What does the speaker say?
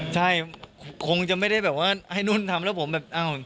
ใช่คงจะไม่ได้แบบว่าให้นุ่นทำแล้วผมแบบอ้าว